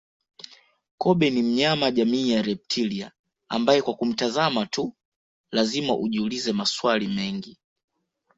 Kobe ni mnyama jamii ya reptilia ambaye kwa kumtazama tu lazima ujiulize maswali mengi